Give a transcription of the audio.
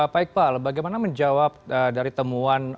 baik pak bagaimana menjawab dari temuan